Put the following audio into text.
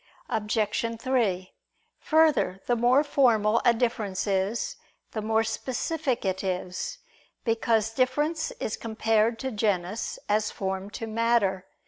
Obj. 3: Further, the more formal a difference is, the more specific it is: because difference is compared to genus, as form to matter.